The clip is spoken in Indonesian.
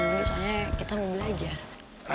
bisa aja kita mau belajar